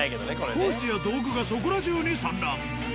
ホースや道具がそこらじゅうに散乱。